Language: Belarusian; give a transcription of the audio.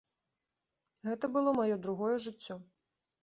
Гэта было маё другое жыццё.